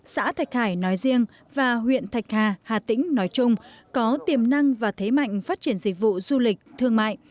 xã thạch hải nói riêng và huyện thạch hà hà tĩnh nói chung có tiềm năng và thế mạnh phát triển dịch vụ du lịch thương mại